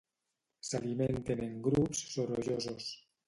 S'alimenten en grups sorollosos.